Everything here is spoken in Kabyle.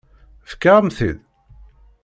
Fkiɣ-am-t-id?